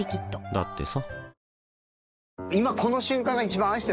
だってさ